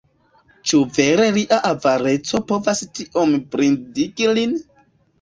Ĉu vere lia avareco povas tiom blindigi lin?